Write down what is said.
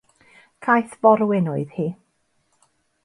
Caethforwyn oedd hi.